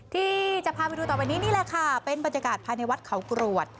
ที่จะพาไปดูต่อไปนี้นี่แหละค่ะเป็นบรรยากาศภายในวัดเขากรวด